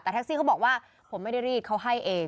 แต่แท็กซี่เขาบอกว่าผมไม่ได้รีดเขาให้เอง